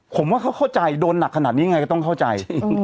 ผมว่าเขาเข้าใจโดนหนักขนาดนี้ไงก็ต้องเข้าใจ